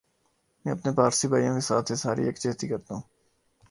میں اپنے پارسی بھائیوں کیساتھ اظہار یک جہتی کرتا ھوں